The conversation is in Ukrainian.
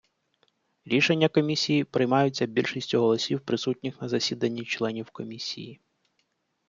Рішення Комісії приймаються більшістю голосів присутніх на засіданні членів Комісії.